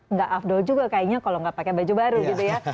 nggak afdol juga kayaknya kalau nggak pakai baju baru gitu ya